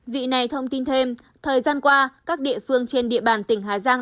vị này thông tin thêm thời gian qua các địa phương trên địa bàn tỉnh hà giang